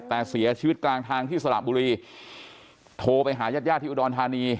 แต่เสียชีวิตกลางทางที่สระบุรีโทรไปหาญาติญาติที่อุดรธานี